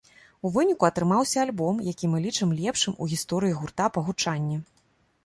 У выніку атрымаўся альбом, які мы лічым лепшым у гісторыі гурта па гучанні.